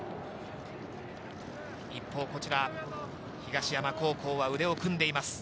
一方こちら、東山高校は腕を組んでいます。